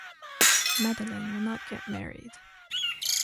Madeleine will not get married.